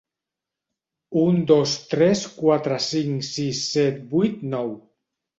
Un dos tres quatre cinc sis set vuit nou.